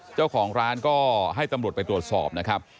เจ้าของร้านก็ให้ตำรวจไปตรวจสอบนะครับ